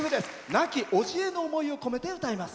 亡きおじへの思いを込めて歌います。